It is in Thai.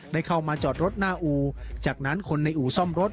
ได้เข้ามาจอดรถหน้าอู่จากนั้นคนในอู่ซ่อมรถ